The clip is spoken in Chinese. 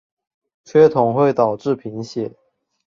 缺铜会导致贫血。